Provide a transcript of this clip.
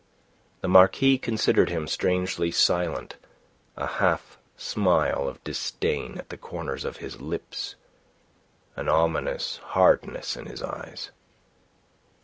The Marquis considered him, strangely silent, a half smile of disdain at the corners of his lips, an ominous hardness in his eyes.